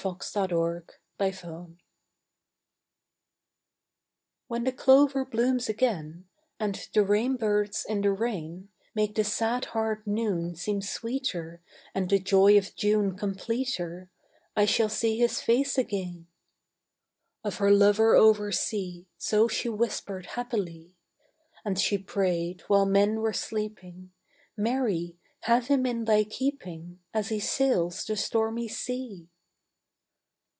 When the Clover blooms again "When the clover blooms again, And the rain birds in the rain Make the sad heart noon seem sweeter And the joy of June completer I shall see his face again!" Of her lover over sea So she whispered happily; And she prayed, while men were sleeping, "Mary, have him in thy keeping As he sails the stormy sea!"